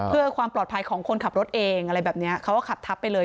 เพื่อความปลอดภัยของคนขับรถเองที่เขาบอกถับไปเลย